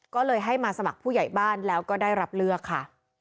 ก็เลยให้มาสมัครผู้ใหญ่บ้านแล้วก็ได้รับเลือกค่ะ